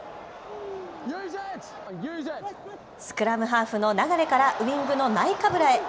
スクラムハーフの流からウイングのナイカブラへ。